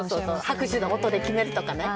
拍手の音で決めるとかね。